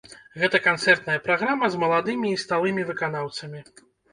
Гэта канцэртная праграма з маладымі і сталымі выканаўцамі.